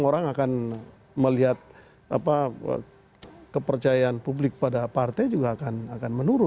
orang akan melihat kepercayaan publik pada partai juga akan menurun